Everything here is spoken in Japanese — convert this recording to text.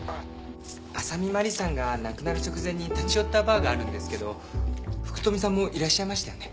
浅見麻里さんが亡くなる直前に立ち寄ったバーがあるんですけど福富さんもいらっしゃいましたよね？